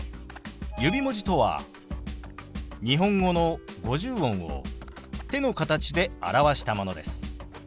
指文字とは日本語の五十音を手の形で表したものです。